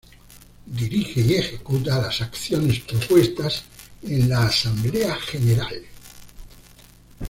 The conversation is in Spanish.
Dirige y ejecuta las acciones propuestas en la Asamblea General.